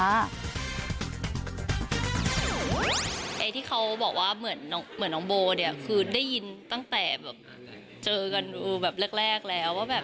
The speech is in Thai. ไอ้ที่เขาบอกว่าเหมือนน้องโบเนี่ยคือได้ยินตั้งแต่แบบเจอกันแบบแรกแล้วว่าแบบ